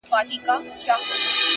د لرې تندر غږ د ذهن توجه له منځه یوسي!